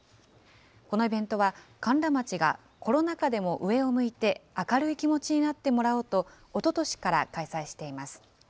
このイベントは、甘楽町がコロナ禍でも上を向いて、明るい気持ちになってもらおうと、おととしから開催しています。